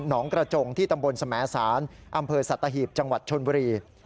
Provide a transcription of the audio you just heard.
งกระจงที่ตำบลสมสารอำเภอสัตหีบจังหวัดชนบุรี